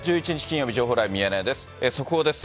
金曜日、情報ライブミヤネ屋です。